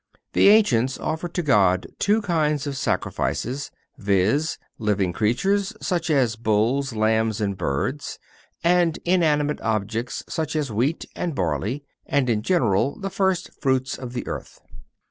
The ancients offered to God two kinds of sacrifices, viz., living creatures, such as bulls, lambs and birds; and inanimate objects, such as wheat and barley, and, in general, the first fruits of the earth.